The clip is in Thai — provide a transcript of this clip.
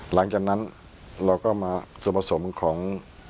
หลังจากนั้นเราก็มาส่วนผสมของ